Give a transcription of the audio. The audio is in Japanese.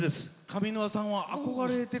上沼さんは憧れで？